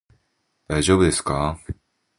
大丈夫ですか？